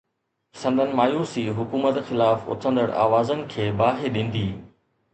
سندن مايوسي حڪومت خلاف اٿندڙ آوازن کي باهه ڏيندي.